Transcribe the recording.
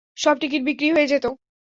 সব টিকেট বিক্রি হয়ে যেত।